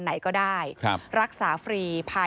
พบหน้าลูกแบบเป็นร่างไร้วิญญาณ